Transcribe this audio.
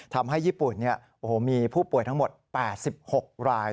ทำให้ญี่ปุ่นมีผู้ป่วยทั้งหมด๘๖ราย